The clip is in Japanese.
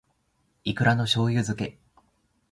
いくらの醬油漬け